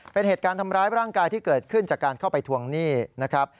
เป็นเหตุการณ์ทำร้ายร่างกายที่เกิดขึ้นจากการเข้าไปทวงหนี้นะครับ